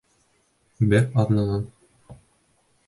Бер аҙнанан.